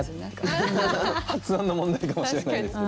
発音の問題かもしれないですけど。